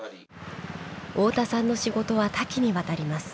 太田さんの仕事は多岐にわたります。